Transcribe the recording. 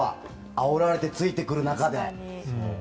あおられて、ついてくる中で。